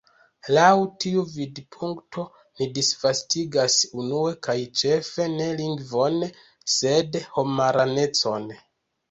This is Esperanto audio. Laŭ tiu vidpunkto, ni disvastigas unue kaj ĉefe ne lingvon, sed homaranecon.